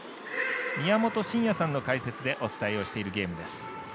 宮本慎也さんの解説でお伝えをしているゲームです。